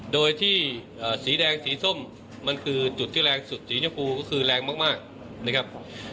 โดยที่สีแดงสีส้มมันคือจุดที่แรงสุดสีชมพูก็คือแรงมากนะครับ